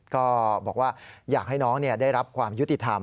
ก็บอกว่าอยากให้น้องได้รับความยุติธรรม